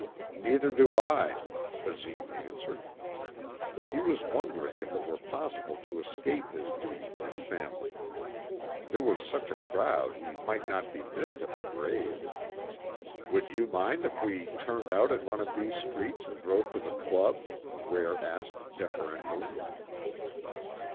"Neither do I," Basine answered. He was wondering if it were possible to escape his duty to the family. There was such a crowd he might not be missed at the grave. "Would you mind if we turned out at one of these streets and drove to the club," Ware asked deferentially.